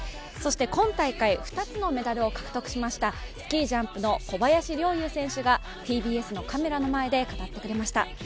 今大会２つのメダルを獲得しましたスキージャンプの小林陵侑選手がＴＢＳのカメラの前で語ってくれました。